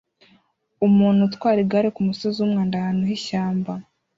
Umuntu utwara igare kumusozi wumwanda ahantu h'ishyamba